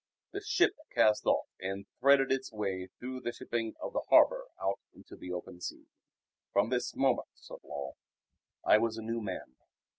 The ship cast off and threaded its way through the shipping of the harbour out into the open sea. "From this moment," said Lull, "I was a new man.